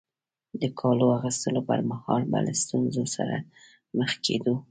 د کالو اغوستلو پر مهال به له ستونزو سره مخ کېدو.